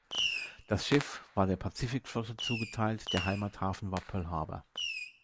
Das Schiff war der Pazifikflotte zugeteilt, der Heimathafen war Pearl Harbor.